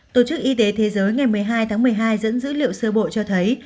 tổ chức y tế thế giới ngày một mươi hai tháng một mươi hai dẫn dữ liệu sơ bộ cho thấy